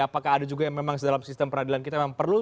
apakah ada juga yang memang dalam sistem peradilan kita memang perlu